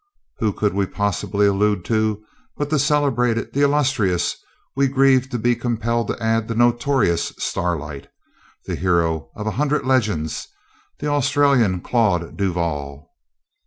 Whom could we possibly allude to but the celebrated, the illustrious, we grieve to be compelled to add, the notorious Starlight, the hero of a hundred legends, the Australian Claude Duval?